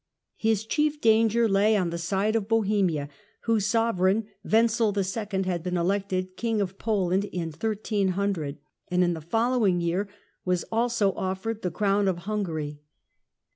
His chief danger lay on the side of Bohemia, whose sovereign, Wenzel II., had been elected King of Poland in 1300, and in the following year i was also offered the Crown of Hungary.